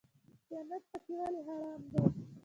خیانت پکې ولې حرام دی؟